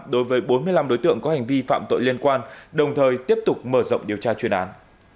đối với bốn mươi năm đối tượng có hành vi phạm tội liên quan đồng thời tiếp tục mở rộng điều tra chuyên án